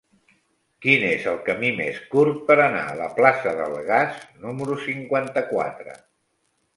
Quin és el camí més curt per anar a la plaça del Gas número cinquanta-quatre?